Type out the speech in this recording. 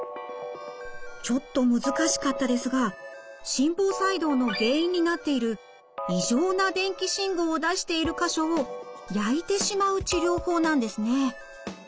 ちょっと難しかったですが心房細動の原因になっている異常な電気信号を出している箇所を焼いてしまう治療法なんですね。